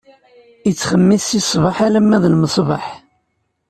Ittxemmis si ṣṣbeḥ alamma d lmesbeḥ.